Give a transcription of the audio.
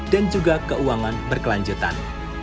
dan juga keuangan berkelanjutan